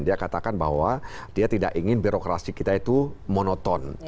dia katakan bahwa dia tidak ingin birokrasi kita itu monoton